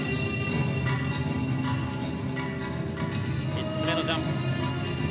３つ目のジャンプ。